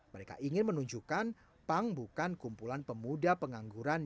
mereka ingin menunjukkan punk bukan kumpulan pemuda pengangguran